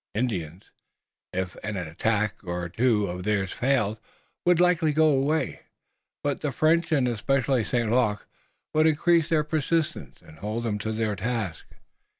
Indians, if an attack or two of theirs failed, would be likely to go away, but the French, and especially St. Luc, would increase their persistence and hold them to the task.